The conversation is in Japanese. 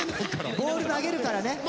ボール投げるからね。